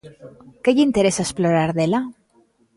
Que lle interesa explorar dela?